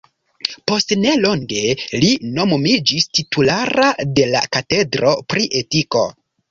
Post nelonge li nomumiĝis titulara de la katedro pri etiko.